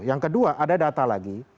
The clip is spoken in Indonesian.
yang kedua ada data lagi